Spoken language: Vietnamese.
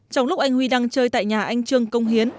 trong lúc anh huy đang chơi tại nhà anh trương công hiến